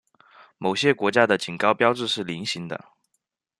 某些国家的警告标志是菱形的。